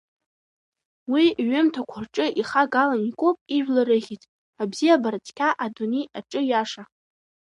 Уи иҩымҭақәа рҿы ихагалан икуп ижәлар рыхьӡ, абзиабара цқьа, адунеи аҿы иаша.